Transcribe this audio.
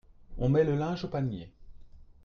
On met le linge au panier.